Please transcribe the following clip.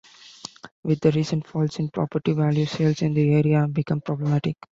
With the recent falls in property values, sales in the area have become problematic.